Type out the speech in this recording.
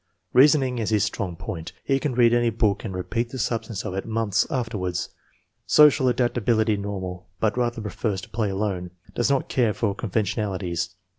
Reason ing is his strong point. He can read any book and repeat the substance of it months afterwards. Social adaptability normal, but rather prefers to play alone. Does not care for conventionalities.